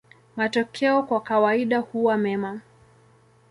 Matokeo kwa kawaida huwa mema.